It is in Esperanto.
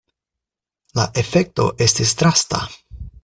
La efekto estis drasta.